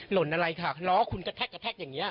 หล่นอะไรค่ะล้อคุณกระแท็กอย่างเงี้ย